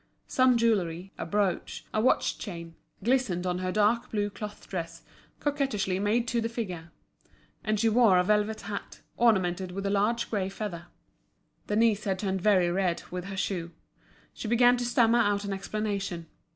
Some jewellery, a brooch, a watch chain, glistened on her dark blue cloth dress, coquettishly made to the figure; and she wore a velvet hat, ornamented with a large grey feather. Denise had turned very red, with her shoe. She began to stammer out an explanation.